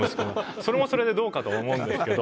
それもそれでどうかと思うんですけど。